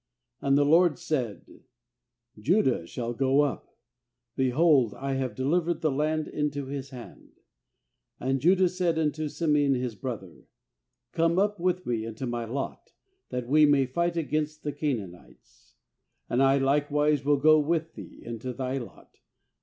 2And the LORD said: 'Judah shall go up; behold, I have delivered the land into his hand.' 3And Judah said unto Simeon his brother: 'Come up with me into my lot, that we may fight against the Canaanites j and I like wise will go with thee into thy lot.'